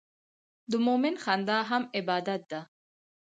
د مؤمن خندا هم عبادت ده.